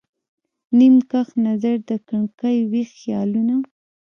نیم کښ نظر د کړکۍ، ویښ خیالونه